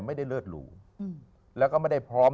ไม่ได้เลิศหลู่แล้วก็ไม่ได้พร้อม